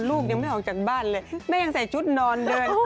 ลูกยังไม่ออกจากบ้านเลยแม่ยังใส่ชุดนอนเดิน